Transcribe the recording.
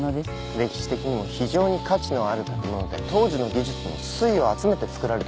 歴史的にも非常に価値のある建物で当時の技術の粋を集めて造られたものといえます。